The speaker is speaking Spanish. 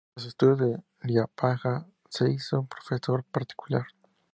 Tras sus estudios en Liepāja se hizo profesor particular.